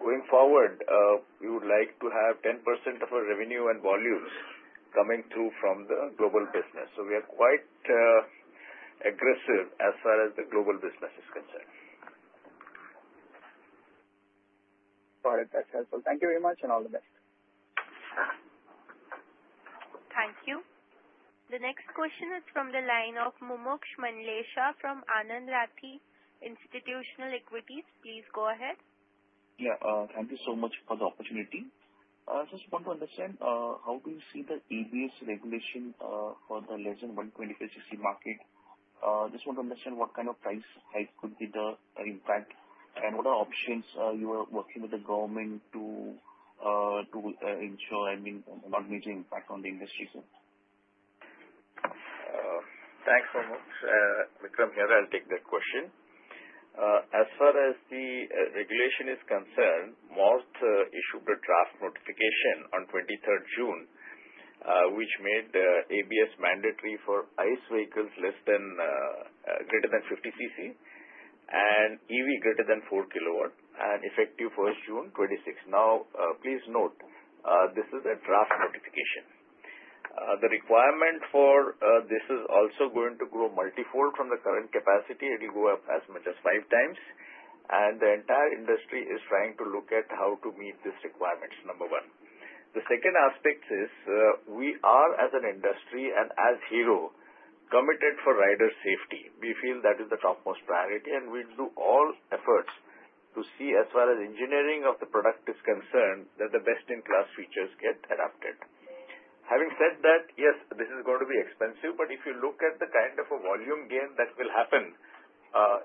Going forward, we would like to have 10% of our revenue and volumes coming through from the global business. We are quite aggressive as far as the global business is concerned. Got it. That's helpful. Thank you very much and all the best. Thank you. The next question is from the line of Mumuksh Mandlesha from Anand Rathi Institutional Equities. Please go ahead. Thank you so much for the opportunity. I just want to understand how do you see the ABS regulation for the less than 125cc market? I just want to understand what kind of price hike could be the impact and what are the options you are working with the government to ensure, I mean, a major impact on the industry? Thanks, Pramod. Vikram here. I'll take that question. As far as the regulation is concerned, MoRTH issued a draft notification on 23rd June, which made ABS mandatory for ICE vehicles greater than 50cc and EV greater than 4 kilowatt and effective 1st June 2026. Now, please note, this is a draft notification. The requirement for this is also going to grow multifold from the current capacity and go up as much as five times. The entire industry is trying to look at how to meet these requirements, number one. The second aspect is we are, as an industry and as Hero, committed for rider safety. We feel that is the topmost priority, and we do all efforts to see, as far as engineering of the product is concerned, that the best-in-class features get adapted. Having said that, yes, this is going to be expensive, but if you look at the kind of a volume gain that will happen,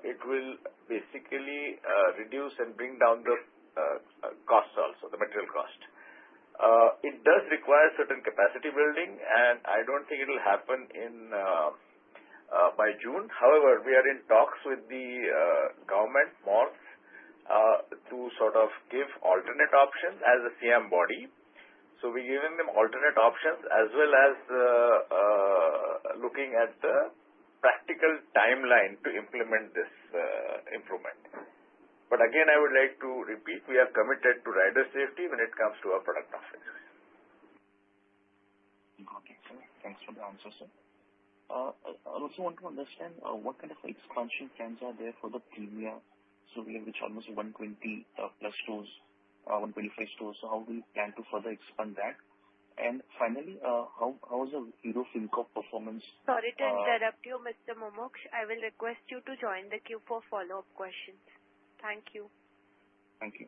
it will basically reduce and bring down the costs also, the material cost. It does require certain capacity building, and I don't think it'll happen by June. However, we are in talks with the government, MoRTH, to sort of give alternate options as a SIAM body. We're giving them alternate options as well as looking at the practical timeline to implement this improvement. Again, I would like to repeat, we are committed to rider safety when it comes to our product offerings. Got it, sir. Thanks for the answer, sir. I also want to understand what kind of exclusion plans are there for the previous survey, which is almost 120+ stores, 125 stores. How do we plan to further expand that? Finally, how is the Hero MotoCorp performance? Sorry to interrupt you, Mr. Mumuksh. I will request you to join the queue for follow-up questions. Thank you. Thank you.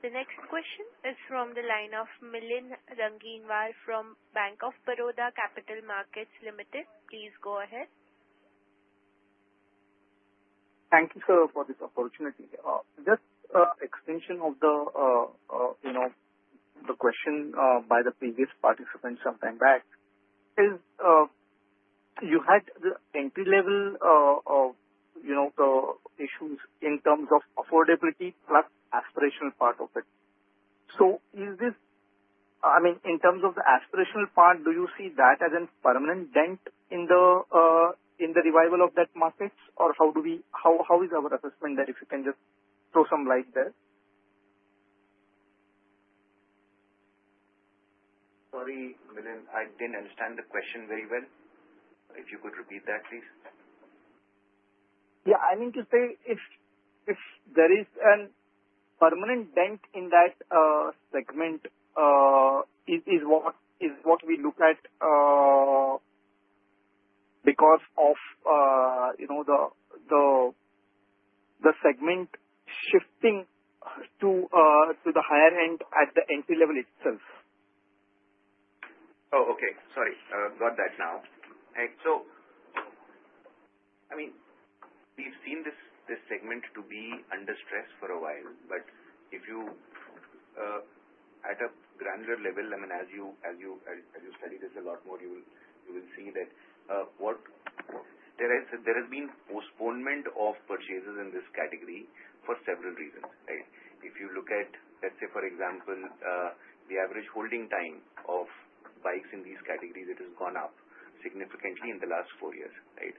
The next question is from the line of Milind Raginwar from Bank of Baroda Capital Markets Limited. Please go ahead. Thank you, sir, for this opportunity. Just an extension of the question by the previous participant sometime back, you had the entry-level issues in terms of affordability plus aspirational part of it. In terms of the aspirational part, do you see that as a permanent dent in the revival of that market, or how is our assessment there? If you can just throw some light there. Sorry, Milind. I didn't understand the question very well. If you could repeat that, please? Yeah, I mean to say if there is a permanent dent in that segment is what we look at because of the segment shifting to the higher end at the entry-level itself. Oh, okay. Sorry. Got that now. All right. I mean, we've seen this segment to be under stress for a while, but if you add up granular level, as you study this a lot more, you will see that there has been postponement of purchases in this category for several reasons, right? If you look at, let's say, for example, the average holding time of bikes in these categories, it has gone up significantly in the last four years, right?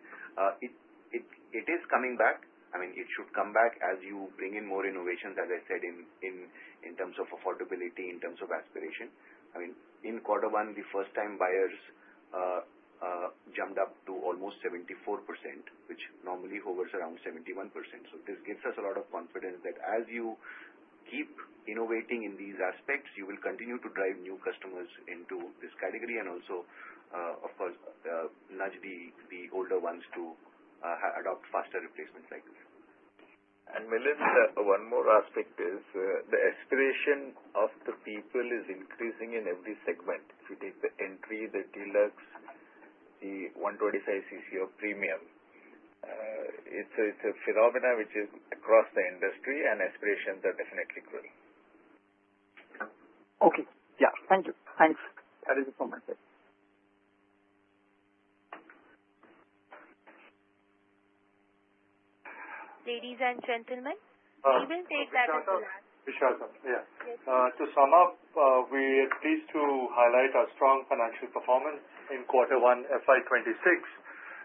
It is coming back. It should come back as you bring in more innovations, as I said, in terms of affordability, in terms of aspiration. In quarter one, the first-time buyers jumped up to almost 74%, which normally hovers around 71%. This gives us a lot of confidence that as you keep innovating in these aspects, you will continue to drive new customers into this category and also, of course, nudge the older ones to adopt faster replacements like this. Milind, one more aspect is the aspiration of the people is increasing in every segment. If you take the entry, the Deluxe, the 125cc, or Premium, it's a phenomenon which is across the industry, and aspirations are definitely growing. Okay. Yeah, thank you. Thanks. That is it for myself. Ladies and gentlemen, we will take that. Yeah. To sum up, we are pleased to highlight our strong financial performance in quarter one, FY 2026,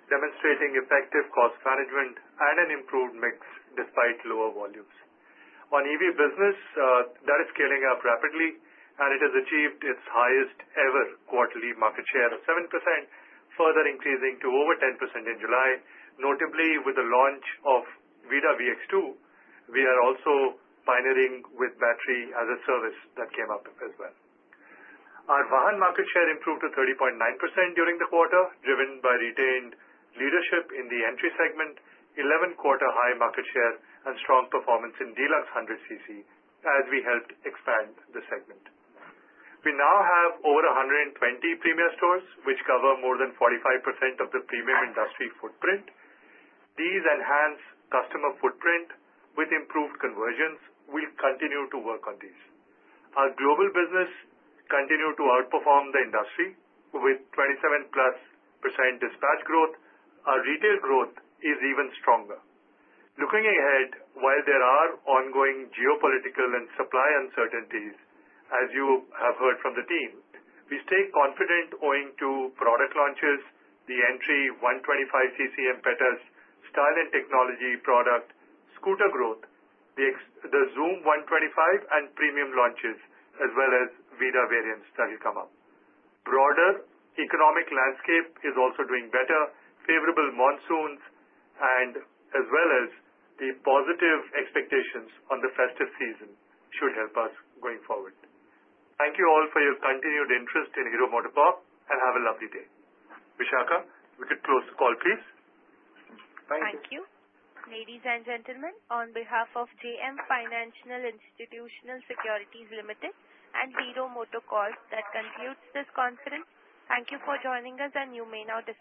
demonstrating effective cost management and an improved mix despite lower volumes. On EV business, that is scaling up rapidly, and it has achieved its highest ever quarterly market share of 7%, further increasing to over 10% in July, notably with the launch of VIDA VX2. We are also pioneering with Battery-as-a-Service that came up as well. Our Wahan market share improved to 30.9% during the quarter, driven by retained leadership in the entry segment, 11-quarter high market share, and strong performance in Deluxe 100cc as we helped expand the segment. We now have over 120 Premier stores, which cover more than 45% of the premium industry footprint. These enhance customer footprint with improved conversions. We'll continue to work on these. Our global business continues to outperform the industry with 27%+ dispatch growth. Our retail growth is even stronger. Looking ahead, while there are ongoing geopolitical and supply uncertainties, as you have heard from the team, we stay confident owing to product launches, the entry 125cc impetus, style and technology product, scooter growth, the Xoom 125, and premium launches, as well as VIDA variants that will come up. The broader economic landscape is also doing better. Favorable monsoons and as well as the positive expectations on the festive season should help us going forward. Thank you all for your continued interest in Hero MotoCorp and have a lovely day. Vishaka, we could close the call, please. Thank you. Thank you. Ladies and gentlemen, on behalf of JM Financial Institutional Securities Limited and Hero MotoCorp, that concludes this conference. Thank you for joining us, and you may now.